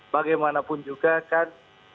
bagaimanapun juga kan